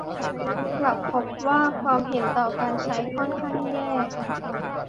กลับพบว่าความเห็นต่อการใช้ค่อนข้างแย่